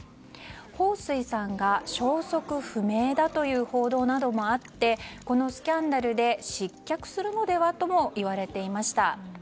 ホウ・スイさんが消息不明だという報道などもあってこのスキャンダルで失脚するのではとも言われていました。